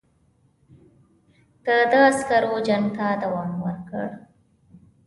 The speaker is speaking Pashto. د ده عسکرو جنګ ته دوام ورکړ.